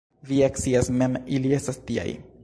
Vi ja scias mem, ili estas tiaj.